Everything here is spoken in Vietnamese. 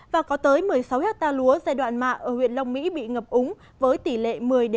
và có tới một mươi sáu hecta lúa giai đoạn mạ ở huyện lòng mỹ bị ngập úng với tỷ lệ một mươi ba mươi